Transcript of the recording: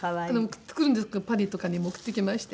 送ってくるんですけどパリとかにも送ってきまして。